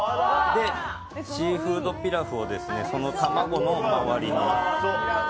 シーフードピラフをその卵の周りに。